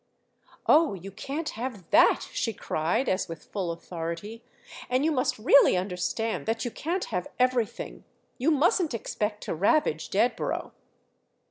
"Oh, you can't have that!" she cried as with full authority—"and you must really understand that you can't have everything. You mustn't expect to ravage Dedborough."